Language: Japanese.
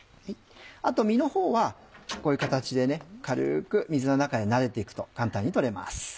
あと身のほうはこういう形で軽く水の中でなでて行くと簡単に取れます。